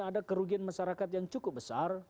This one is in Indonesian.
ada kerugian masyarakat yang cukup besar